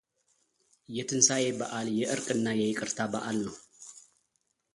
የትንሣኤ በዓል የዕርቅና የይቅርታ በዓል ነው።